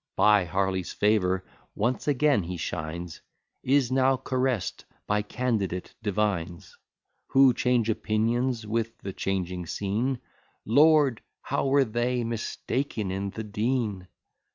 By Harley's favour once again he shines; Is now caress'd by candidate divines, Who change opinions with the changing scene: Lord! how were they mistaken in the dean!